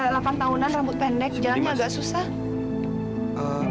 delapan tahunan rambut pendek jalannya agak susah